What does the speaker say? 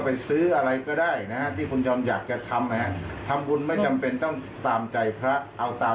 แต่ไม่ต้องใส่พญานาคมานะคุณยอมเพราะมันเมา